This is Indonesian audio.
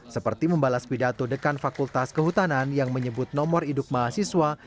seperti membalas pidato dekan fakultas kehutanan yang menyebut nomor induk mahasiswa